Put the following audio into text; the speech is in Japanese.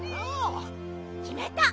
きめた。